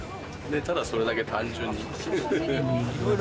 ただそれだけ、単純に。